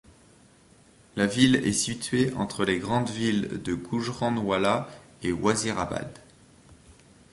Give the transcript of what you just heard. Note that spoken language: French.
La ville est située entre les grandes villes de Gujranwala et Wazirabad.